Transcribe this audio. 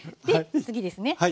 で次ですね。